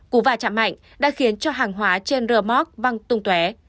cú va chạm mạnh đã khiến cho hàng hóa trên rơ móc văng tung tué